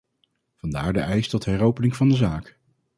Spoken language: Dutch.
Vandaar de eis tot heropening van de zaak.